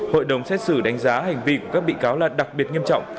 hội đồng xét xử đánh giá hành vi của các bị cáo là đặc biệt nghiêm trọng